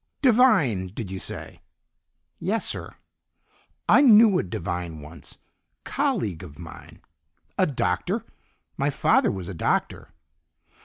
"Devine, did you say?" "Yes, sir." "I knew a Devine once. Colleague of mine." "A doctor? My father was a doctor."